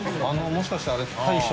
もしかしてあれですか？